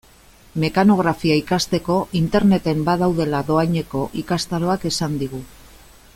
Mekanografia ikasteko Interneten badaudela doaneko ikastaroak esan digu.